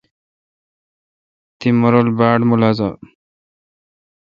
تی مہ رل باڑ ملازہ۔